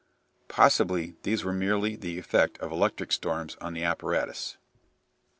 Possibly these were merely the effect of electric storms on the apparatus.